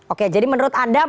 oke jadi menurut anda